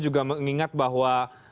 juga mengingat bahwa